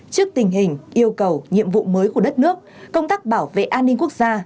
trước tình hình yêu cầu nhiệm vụ mới của đất nước công tác bảo vệ an ninh quốc gia